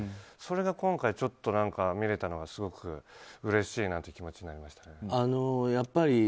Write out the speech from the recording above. それが今回、見れたのがすごくうれしいなという気持ちになりました。